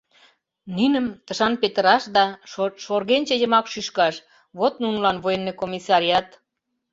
Ниным тышан пытараш да шоргенче йымак шӱшкаш, вот нунылан военный комиссариат!..